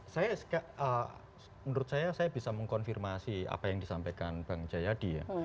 saya menurut saya saya bisa mengkonfirmasi apa yang disampaikan bang jayadi ya